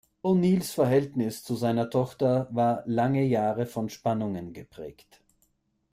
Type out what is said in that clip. O’Neals Verhältnis zu seiner Tochter war lange Jahre von Spannungen geprägt.